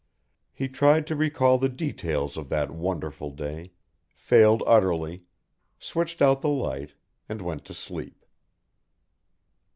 He tried to recall the details of that wonderful day, failed utterly, switched out the light, and went to sleep.